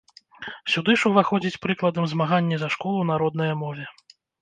Сюды ж уваходзіць, прыкладам, змаганне за школу на роднае мове.